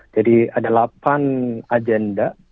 jadi ada delapan agenda